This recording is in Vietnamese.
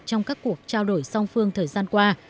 trong các cuộc trao đổi song phương thời gian qua